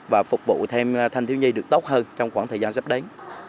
và phục vụ thêm thanh thiếu nhi được tốt hơn trong khoảng thời gian sắp đến